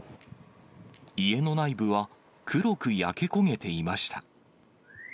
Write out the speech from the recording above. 家の内部は、黒く焼け焦げていました。